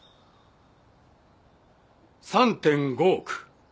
３．５億。